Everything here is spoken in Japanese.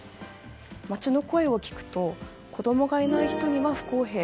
街の声を聞くと子供がいない人には不公平。